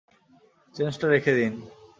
চেঞ্জটা রেখে নিন।